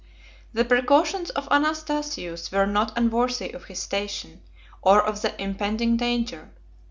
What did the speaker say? The precautions of Anastasius were not unworthy of his station, or of the impending danger.